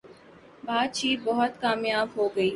باتچیت بہت کامیاب ہو گی